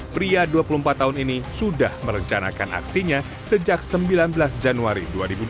pria dua puluh empat tahun ini sudah merencanakan aksinya sejak sembilan belas januari dua ribu dua puluh